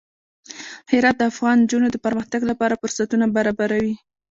هرات د افغان نجونو د پرمختګ لپاره فرصتونه برابروي.